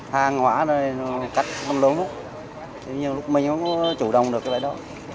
hàng hóa rồi nó cắt băng đổ lúc lúc mình cũng chủ động được cái bài đó